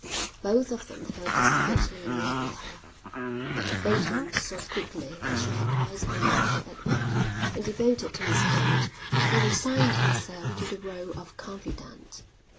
Both of them fell desperately in love with her, but Bateman saw quickly that she had eyes only for Edward, and, devoted to his friend, he resigned himself to the role of confidant.